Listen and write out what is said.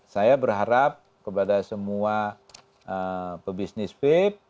saya berharap kepada semua pebisnis vape